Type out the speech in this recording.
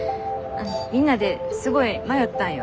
みんなですごい迷ったんよ。